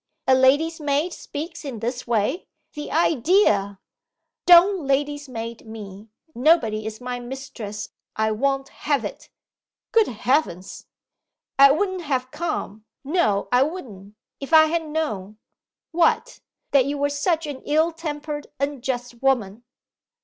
A lady's maid speaks in this way. The idea!' 'Don't "lady's maid" me: nobody is my mistress I won't have it!' 'Good Heavens!' 'I wouldn't have come no I wouldn't! if I had known!' 'What?' 'That you were such an ill tempered, unjust woman!